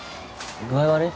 具合悪い？